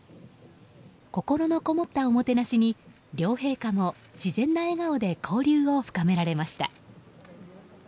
心のこもったおもてなしに両陛下も自然な笑顔で交流を深められました。